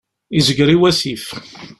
Yezger i wasif.